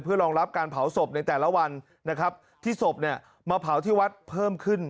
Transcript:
รองรับการเผาศพในแต่ละวันนะครับที่ศพเนี่ยมาเผาที่วัดเพิ่มขึ้น